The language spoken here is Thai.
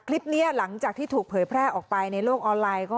คลิปนี้หลังจากที่ถูกเผยแพร่ออกไปในโลกออนไลน์